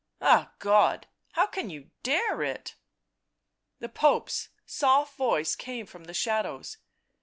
... Ah God !— how can you dare it ?" The Pope's soft voice came from the shadows.